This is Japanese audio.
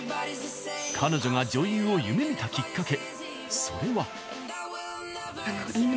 彼女が女優を夢みたきっかけ